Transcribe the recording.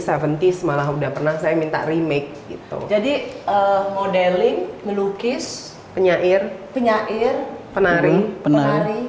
tujuh puluh malah udah pernah saya minta remake gitu jadi modeling melukis penyair penyair penari penari